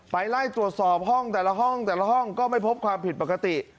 ไล่ตรวจสอบห้องแต่ละห้องแต่ละห้องก็ไม่พบความผิดปกติ